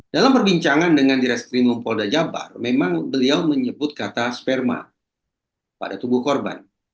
dalam perbincangan dengan direktri mumpolda jabbar memang beliau menyebut kata sperma pada tubuh korban